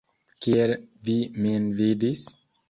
Kiel vi min vidis?